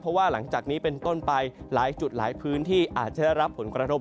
เพราะว่าหลังจากนี้เป็นต้นไปหลายจุดหลายพื้นที่อาจจะได้รับผลกระทบ